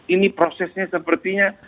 ini prosesnya sepertinya